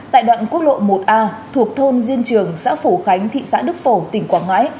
tại đoạn quốc lộ một a thuộc thôn diên trường xã phổ khánh thị xã đức phổ tỉnh quảng ngãi